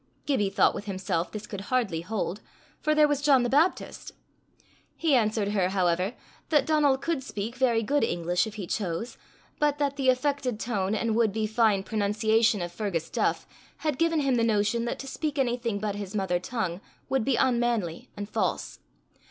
Gibbie thought with himself this could hardly hold, for there was John the Baptist; he answered her, however, that Donal could speak very good English if he chose, but that the affected tone and would be fine pronunciation of Fergus Duff had given him the notion that to speak anything but his mother tongue would be unmanly and false.